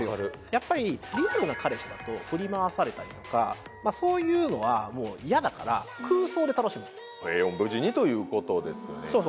やっぱりリアルな彼氏だと振り回されたりとかそういうのはもう嫌だから空想で楽しむということですね